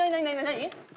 何？